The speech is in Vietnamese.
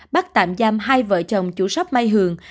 bắt tạm giam hai vợ chồng chủ shop may hường